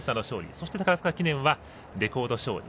そして宝塚記念はレコード勝利。